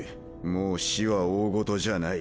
もう死は大ごとじゃない。